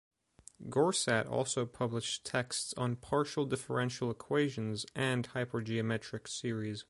Goursat also published texts on partial differential equations and hypergeometric series.